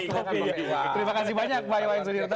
terima kasih banyak pak iwan sudirta